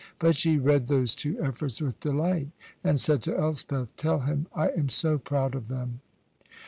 But she read those two efforts with delight, and said to Elspeth, "Tell him I am so proud of them."